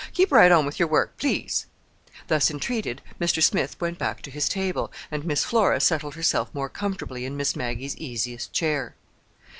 Keep right on with your work; please." Thus entreated, Mr. Smith went back to his table, and Miss Flora settled herself more comfortably in Miss Maggie's easiest chair.